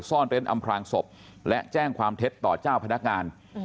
ซ่อนเร้นอำพลางศพและแจ้งความเท็จต่อเจ้าพนักงาน